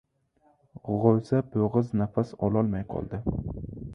G‘o‘za bo‘g‘iz nafas ololmay qoldi.